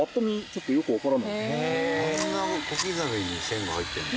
こんな小刻みに線が入ってるんだ。